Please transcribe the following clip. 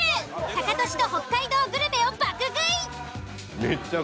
タカトシと北海道グルメを爆食い！